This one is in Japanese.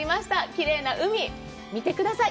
きれいな海、見てください。